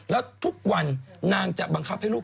แล้วทุกวันนางจะบังคับให้ลูก